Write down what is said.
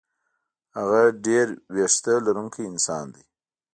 هغه ډېر وېښته لرونکی انسان دی.